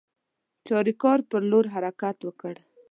چاریکار پر لور حرکت وکړ.